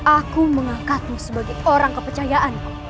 aku mengangkatmu sebagai orang kepercayaanku